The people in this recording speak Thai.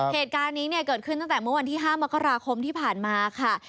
เหตุการณ์นี้เนี่ยเกิดขึ้นตั้งแต่เมื่อวันที่๕มกราคมที่ผ่านมาค่ะ